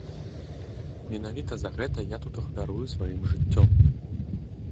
Менавіта за гэта я тут ахвярую сваім жыццём.